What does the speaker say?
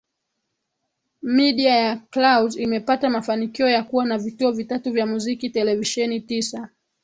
media ya Clouds imepata mafanikio ya kuwa na Vituo vitatu vya muziki televisheni tisa